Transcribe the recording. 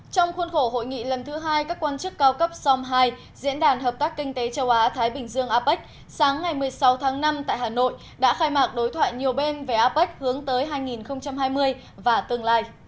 trong khuôn khổ hội nghị lần thứ hai các quan chức cao cấp som hai diễn đàn hợp tác kinh tế châu á thái bình dương apec sáng ngày một mươi sáu tháng năm tại hà nội đã khai mạc đối thoại nhiều bên về apec hướng tới hai nghìn hai mươi và tương lai